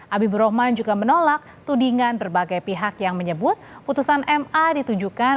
habibur rahman juga menolak tudingan berbagai pihak yang menyebut putusan ma ditujukan